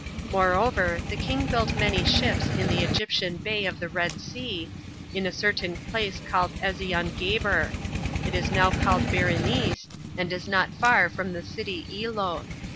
4. Moreover, the king built many ships in the Egyptian Bay of the Red Sea, in a certain place called Ezion geber: it is now called Berenice, and is not far from the city Eloth.